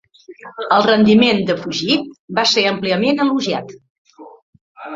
El rendiment de Fugit va ser àmpliament elogiat.